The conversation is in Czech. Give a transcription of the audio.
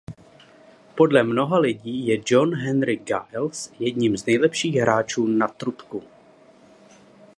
Podle mnoha lidí je John Henry Giles jedním z nejlepších hráčů na trubku.